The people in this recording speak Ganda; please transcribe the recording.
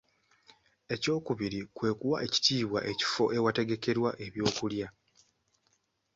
Ekyokubiri kwe kuwa ekitiibwa ekifo ewategekerwa ebyokulya.